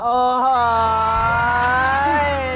อ๋อเอ้ย